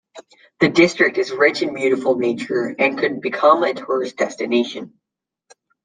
The district is rich in beautiful nature and could become a tourist destination.